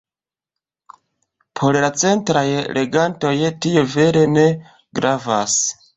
Por la ceteraj legantoj, tio vere ne gravas.